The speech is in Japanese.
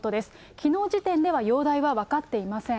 きのう時点では容体は分かっていません。